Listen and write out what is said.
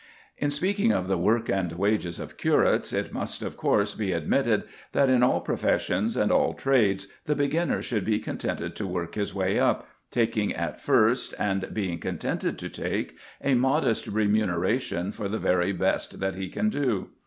In speaking of the work and wages of curates, it must of course be admitted that in all professions and all trades the beginner should be contented to work his way up, taking at first, and being contented to take, a modest remuneration for the very best that he can do.